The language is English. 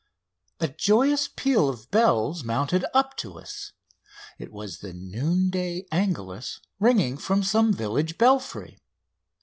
A joyous peal of bells mounted up to us. It was the noonday Angelus ringing from some village belfry.